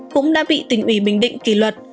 cũng đã bị tỉnh ủy bình định kỷ luật